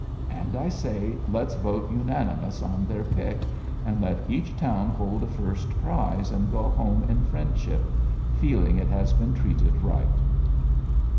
And I say let's vote unanimous on their pick, and let each town hold a first prize and go home in friendship, feeling it has been treated right."